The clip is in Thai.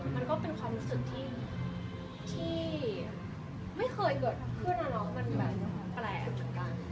มันก็เป็นความรู้สึกที่ไม่เคยเกิดเพื่อนแล้วมันแปลก